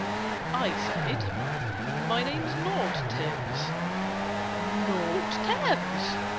I said "My name's not Tibbs." "Not Tibbs!"